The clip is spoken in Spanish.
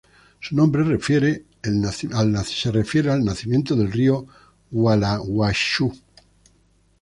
Su nombre refiere al nacimiento del río Gualeguaychú.